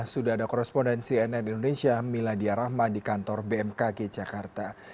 sudah ada korespondensi nn indonesia miladia rahma di kantor bmkg jakarta